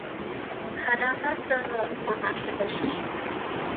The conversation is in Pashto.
که دا هر څه محاسبه شي